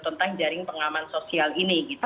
tentang jaring pengaman sosial ini